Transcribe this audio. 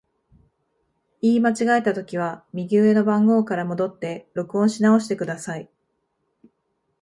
言い間違えたときは、右上の番号から戻って録音し直してください。